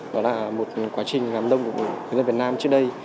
đó là một quá trình làm đông của người dân việt nam trước đây